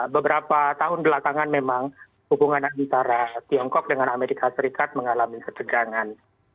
beberapa tahun belakangan memang hubungan antara tiongkok dengan amerika serikat mengalami ketegangan